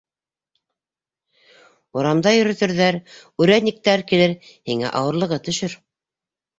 Урамда йөрөтөрҙәр, үрәдниктәр килер, һиңә ауырлығы төшөр.